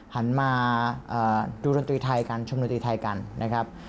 หันมาดูดนตรีไทยกันชมดนตรีไทยกันนะครับ